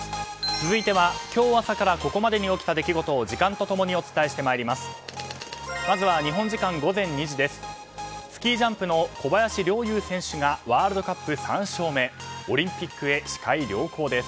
続いては、今日朝からここまでに起きた出来事を時間と共にお伝えしてまいります。